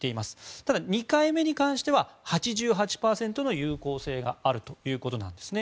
ただ、２回目に関しては８８％の有効性があるということなんですね。